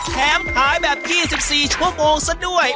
แถมขายแบบ๒๔ชั่วโมงซะด้วย